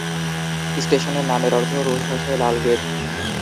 স্টেশনের নামের অর্থ রুশ ভাষায় "লাল গেট"।